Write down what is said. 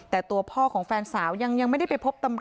แต่ตัวพ่อของแฟนสาวยังไม่ได้ไปพบตำรวจ